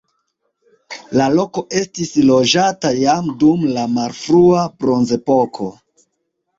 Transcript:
La loko estis loĝata jam dum la malfrua bronzepoko.